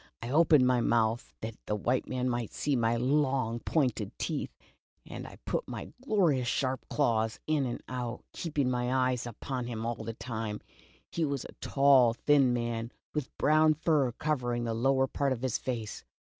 I opened my mouth that the white man might see my long pointed teeth, and I put my gloriously sharp claws in and out, keeping my eyes upon him all the time. He was a tall, thin man, with brown fur covering the lower part of his face.